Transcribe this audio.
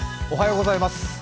おはようございます。